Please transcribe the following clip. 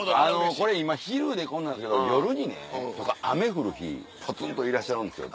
これ今昼でこんなんですけど夜にねとか雨降る日ぽつんといらっしゃるんですよ。